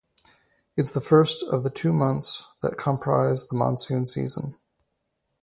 It is the first of the two months that comprise the monsoon season.